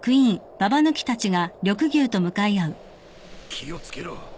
気を付けろ。